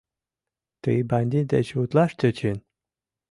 Ты бандит деч утлаш тӧчен!